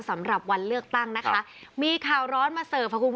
สำหรับวันเลือกตั้งมีข่าวร้อนมาเซอร์ฟ